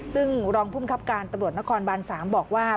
ซึ่งรองภูมิครับการตำรวจนครบาน๓บอกว่า